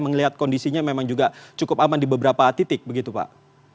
melihat kondisinya memang juga cukup aman di beberapa titik begitu pak